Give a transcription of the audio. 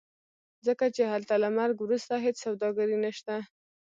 ځکه چې هلته له مرګ وروسته هېڅ سوداګري نشته.